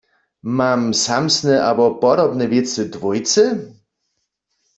Mam samsne abo podobne wěcy dwójce?